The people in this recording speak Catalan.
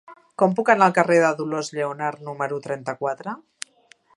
Com puc anar al carrer de Dolors Lleonart número trenta-quatre?